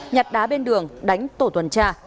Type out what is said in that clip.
nhặt đá bên đường đánh tổ tuần tra